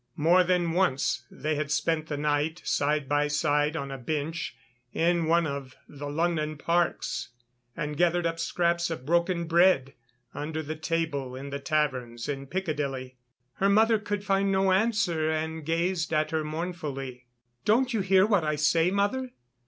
More than once they had spent the night side by side on a bench in one of the London parks and gathered up scraps of broken bread under the table in the taverns in Piccadilly. Her mother could find no answer and gazed at her mournfully. "Don't you hear what I say, mother?